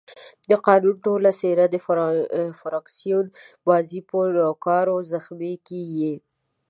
د قانون ټوله څېره د فراکسیون بازۍ په نوکارو زخمي کېږي.